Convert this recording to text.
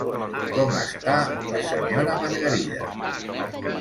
Com està la senyora Margarida?